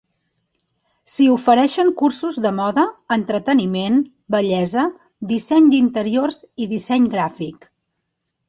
S'hi ofereixen cursos de moda, entreteniment, bellesa, disseny d'interiors i disseny gràfic.